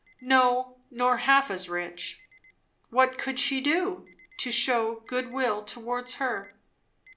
No, nor half as rich. What could she do, to shew good will towards her?